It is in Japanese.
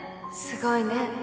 すごいね。